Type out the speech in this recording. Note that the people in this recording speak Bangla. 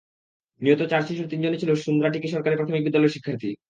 নিহত চার শিশুর তিনজনই ছিল ছিল সুন্দ্রাটিকি সরকারি প্রাথমিক বিদ্যালয়ের শিক্ষার্থী।